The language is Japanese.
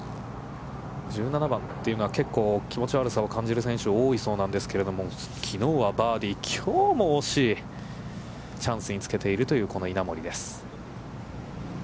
１７番というのは、結構気持ち悪さを感じる選手が多いそうなんですけど、きのうはバーディー、きょうも惜しい、チャンスにつけているという、この稲森です。